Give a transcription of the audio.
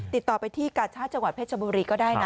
ติดต่อไปที่กาชาติจังหวัดเพชรบุรีก็ได้นะ